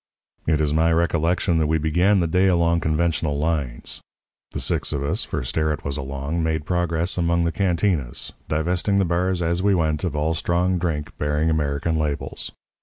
"It is my recollection that we began the day along conventional lines. The six of us for Sterrett was along made progress among the cantinas, divesting the bars as we went of all strong drink bearing American labels.